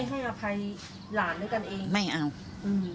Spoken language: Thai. ไม่ให้อภัยหลานด้วยกันเอง